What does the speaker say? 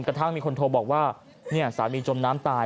กระทั่งมีคนโทรบอกว่าสามีจมน้ำตาย